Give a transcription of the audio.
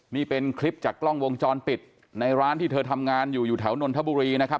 นี่เป็นคลิปจากกล้องวงจรปิดในร้านที่เธอทำงานอยู่อยู่แถวนนทบุรีนะครับ